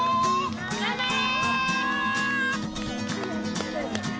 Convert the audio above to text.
頑張れ！